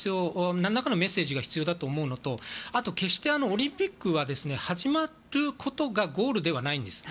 何らかのメッセージが必要だと思うのとあと、決してオリンピックは始まることがゴールではないんです。